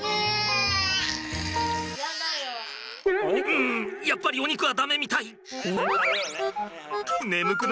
うんやっぱりお肉は駄目みたい。